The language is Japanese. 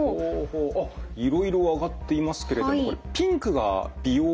あっいろいろ挙がっていますけれどもピンクが美容関連なんですね。